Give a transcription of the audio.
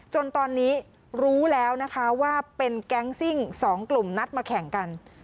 จนตอนนี้รู้แล้วนะคะว่าเป็นแก๊งซิ่ง๒กลุ่มนัดมาแข่งกัน